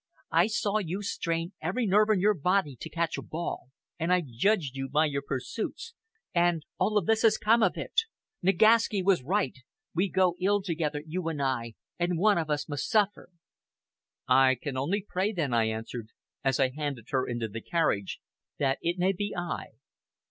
I saw you strain every nerve in your body to catch a ball, and I judged you by your pursuits, and all this has come of it. Nagaski was right. We go ill together, you and I, and one of us must suffer." "I can only pray then," I answered, as I handed her into the carriage, "that it may be I."